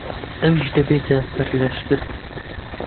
ئەویش دەبێتە سەرلەشکر.